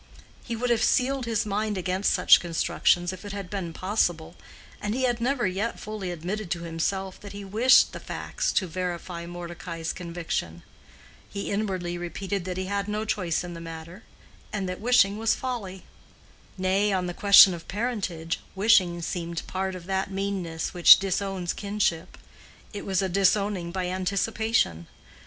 He would have sealed his mind against such constructions if it had been possible, and he had never yet fully admitted to himself that he wished the facts to verify Mordecai's conviction: he inwardly repeated that he had no choice in the matter, and that wishing was folly—nay, on the question of parentage, wishing seemed part of that meanness which disowns kinship: it was a disowning by anticipation.